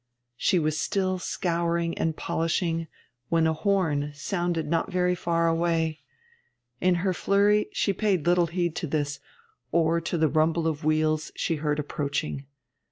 She was still scouring and polishing, when a horn sounded not very far away. In her flurry she paid little heed to this, or to the rumble of wheels she heard approaching.